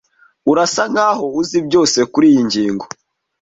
Urasa nkaho uzi byose kuriyi ngingo.